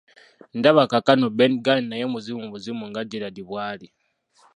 Ndaba kaakano Ben Gunn naye muzimu buzimu nga Gerald bw'ali.